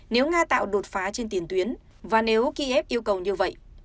nếu nga tạo đột phá trên tiền tuyến và nếu kiev yêu cầu như vậy